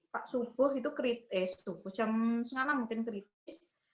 pak subuh itu jam setengah lah mungkin kritis